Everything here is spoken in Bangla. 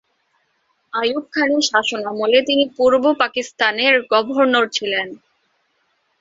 আইয়ুব খানের শাসনামলে তিনি পূর্ব পাকিস্তানের গভর্নর ছিলেন।